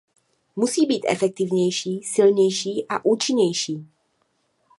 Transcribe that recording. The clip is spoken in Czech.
Musí být efektivnější, silnější a účinnější.